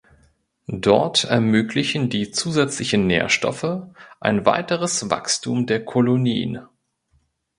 Dort ermöglichen die zusätzlichen Nährstoffe ein weiteres Wachstum der Kolonien.